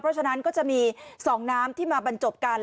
เพราะฉะนั้นก็จะมี๒น้ำที่มาบรรจบกัน